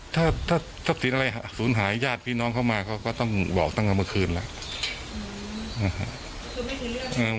ถ้าถ้าที่อะไรศูนย์หายาดพี่น้องเข้ามาเขาก็ต้องบอกตั้งแต่เมื่อคืนแล้วคือไม่มีเรื่อง